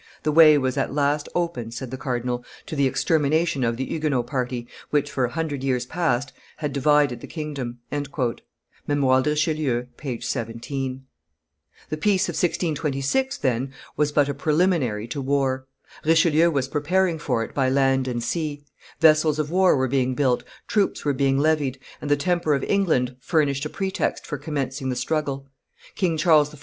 "The way was at last open," said the cardinal, "to the extermination of the Huguenot party, which, for a hundred years past, had divided the kingdom." [Memoires de Richelieu, t. iii. p. 17.] [Illustration: Demolishing the Fortifications 244] The peace of 1626, then, was but a preliminary to war. Richelieu was preparing for it by land and sea; vessels of war were being built, troops were being levied; and the temper of England furnished a pretext for commencing the struggle. King Charles I.